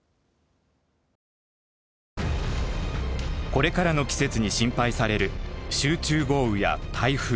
これからの季節に心配される集中豪雨や台風。